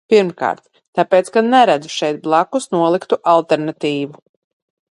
Pirmkārt, tāpēc, ka neredzu šeit blakus noliktu alternatīvu.